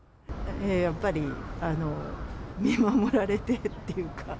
やっぱり見守られているっていうか。